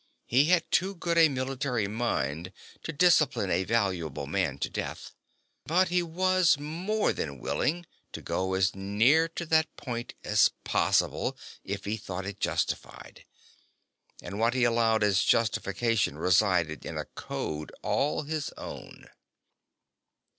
He had too good a military mind to discipline a valuable man to death. But he was more than willing to go as near to that point as possible, if he thought it justified. And what he allowed as justification resided in a code all his own.